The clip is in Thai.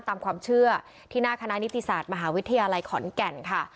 ตามความเชื่อที่หน้าคณะนิติศาสตร์มหาวิทยาลัยขอนแก่นค่ะ